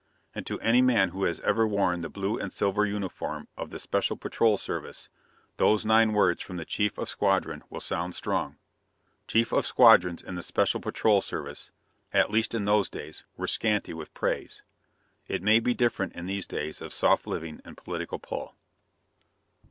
And to any man who has ever worn the blue and silver uniform of the Special Patrol Service, those nine words from the Chief of Squadron will sound strong. Chiefs of Squadrons in the Special Patrol Service at least in those days were scanty with praise. It may be different in these days of soft living and political pull.